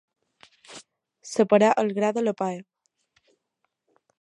Separar el gra de la palla.